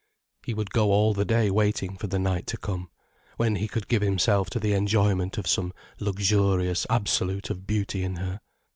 He would go all the day waiting for the night to come, when he could give himself to the enjoyment of some luxurious absolute of beauty in her.